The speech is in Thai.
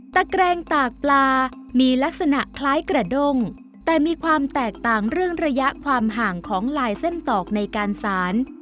แกรงตากปลามีลักษณะคล้ายกระด้งแต่มีความแตกต่างเรื่องระยะความห่างของลายเส้นตอกในการสาร